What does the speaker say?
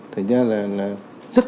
thành ra là rất tích cực